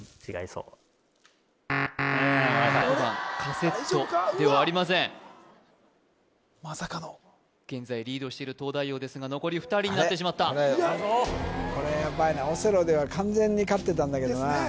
うわっまさかの現在リードしている東大王ですが残り２人になってしまったこれやっばいなオセロでは完全に勝ってたんだけどなですね